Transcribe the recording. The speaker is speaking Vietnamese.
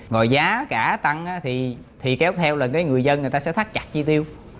rồi giá cả tăng á thì kéo theo là người dân người ta sẽ thắt chặt chi tiêu